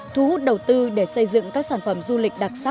thu hút đầu tư để xây dựng các sản phẩm du lịch